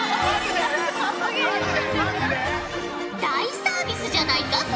大サービスじゃないか？